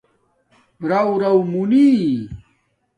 رݸرݸ مونی